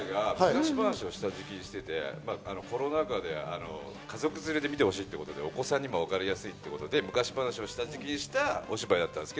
昔話を下敷きにしていて、コロナ禍で家族連れに見ていただきたいということで、お子さんにもわかりやすいということで、昔話を下敷きにしたお話だった。